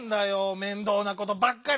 ⁉面倒なことばっかり！